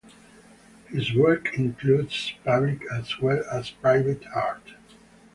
His work includes public as well as private art.